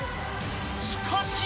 しかし。